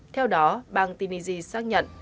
theo đó bang tennessee xác nhận